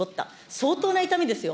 相当な痛みですよ。